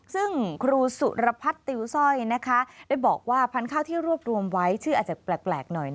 ซึ่งครูสุรพัฒน์ติวสร้อยได้บอกว่าพันธุ์ข้าวที่รวบรวมไว้ชื่ออาจจะแปลกหน่อย